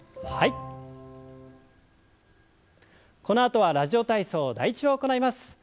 このあとは「ラジオ体操第１」を行います。